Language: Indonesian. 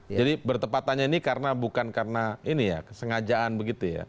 jadi bertepatannya ini bukan karena ini ya sengajaan begitu ya